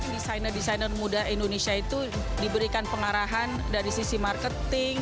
desainer desainer muda indonesia itu diberikan pengarahan dari sisi marketing